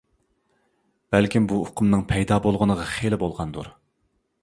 بەلكىم بۇ ئۇقۇمنىڭ پەيدا بولغىنىغا خېلى بولغاندۇر.